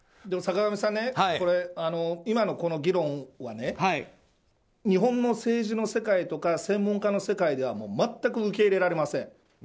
でも坂上さん、今の議論はね日本の政治の世界とか専門家の世界では全く受け入れられません。